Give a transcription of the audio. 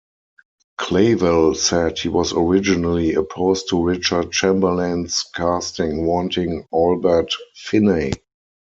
Clavell said he was originally opposed to Richard Chamberlain's casting, wanting Albert Finney.